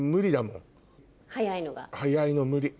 早いの無理。